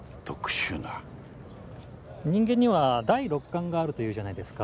人間には第六感があるというじゃないですか。